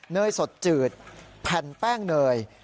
เนยสดจืดแผ่นแป้งเนย